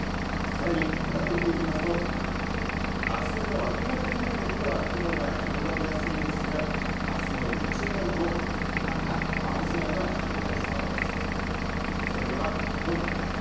さらにこのあと見ていきますと、あすの明け方にかけては雲が広がりやすいですが、あすの日中になると、また青空が広がりそうです。